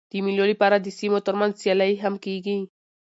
د مېلو له پاره د سیمو تر منځ سیالۍ هم کېږي.